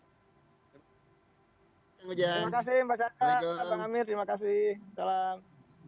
terima kasih pak cakak pak amir terima kasih salam